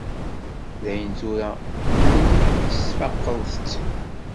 Dayen tura tmenyik tesfaqeḍ-tt.